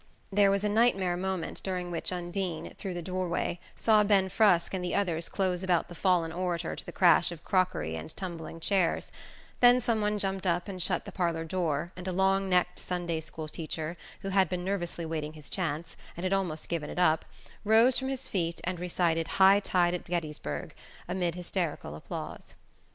There was a night mare moment during which Undine, through the doorway, saw Ben Frusk and the others close about the fallen orator to the crash of crockery and tumbling chairs; then some one jumped up and shut the parlour door, and a long necked Sunday school teacher, who had been nervously waiting his chance, and had almost given it up, rose from his feet and recited High Tide at Gettysburg amid hysterical applause.